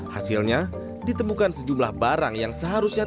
hasilnya ditemukan sejumlah barang yang seharusnya